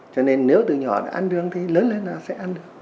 cho nên nếu từ nhỏ đã ăn đường thì lớn lên là sẽ ăn đường